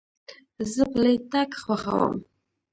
زه پلي تګ خوښوم.